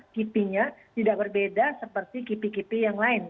kipinya tidak berbeda seperti kipi kipi yang lain